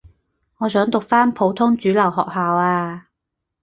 我想讀返普通主流學校呀